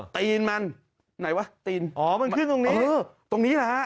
ตีนมันไหนวะตีนอ๋อมันขึ้นตรงนี้